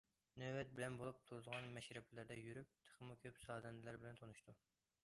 نۆۋەت بىلەن بولۇپ تۇرىدىغان مەشرەپلەردە يۈرۈپ، تېخىمۇ كۆپ سازەندىلەر بىلەن تونۇشتۇم.